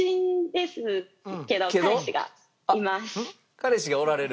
彼氏がおられる？